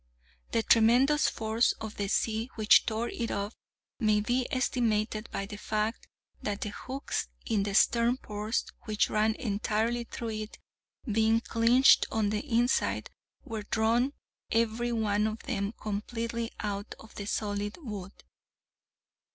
The tremendous force of the sea which tore it off may be estimated by the fact, that the hooks in the stern post, which ran entirely through it, being clinched on the inside, were drawn every one of them completely out of the solid wood.